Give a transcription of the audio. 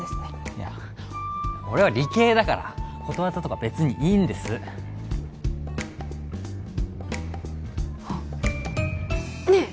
いや俺は理系だからことわざとか別にいいんですあっねえ